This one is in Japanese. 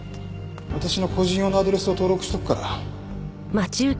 私の個人用のアドレスを登録しとくから。